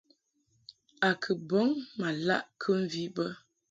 A kɨ bɔŋ ma laʼ kɨmvi bə.